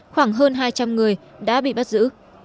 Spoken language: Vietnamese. khoảng hơn hai trăm linh người đã bị bắt giữ